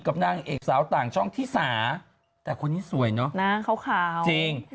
นางเอกสาวต่างช่องที่สาแต่คนนี้สวยเนอะหน้าขาวจริง